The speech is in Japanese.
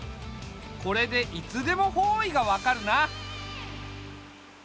これでいつでも方位が分かるな。